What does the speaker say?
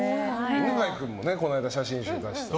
犬飼君もこの間、写真集出して。